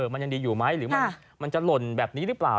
มันยังดีอยู่ไหมหรือมันจะหล่นแบบนี้หรือเปล่า